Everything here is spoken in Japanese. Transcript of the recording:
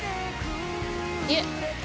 いえ